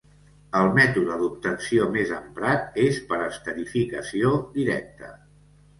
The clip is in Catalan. El mètode d'obtenció més emprat és per esterificació directa.